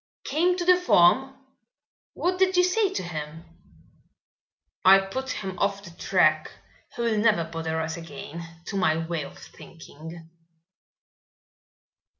"Came to the farm? What did you say to him?" "I put him off the track. He will never bother us again, to my way of thinking."